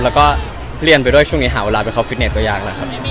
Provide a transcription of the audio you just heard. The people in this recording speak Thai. แล้วก็เรียนไปด้วยช่วงนี้หาเวลาไปเข้าฟิตเนตตัวอย่าง